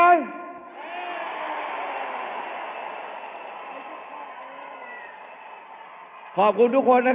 เอาข้างหลังลงซ้าย